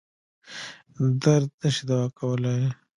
درد نه شي دوا کولای.